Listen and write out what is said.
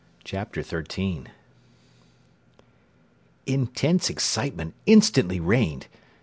CHAPTER XIII Intense excitement instantly reigned.